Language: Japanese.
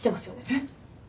えっ？